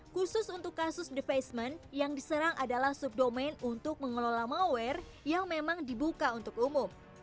khusus untuk kasus defacement yang diserang adalah subdomain untuk mengelola malware yang memang dibuka untuk umum